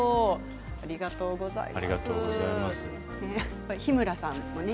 ありがとうございます。